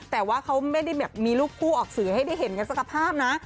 แต่ว่าเขาไม่ได้แบบมีรูปคู่ออกสื่อให้ได้เห็นกันสักภาพนะ